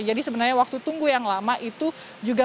jadi sebenarnya waktu tunggu yang lama itu juga menunggu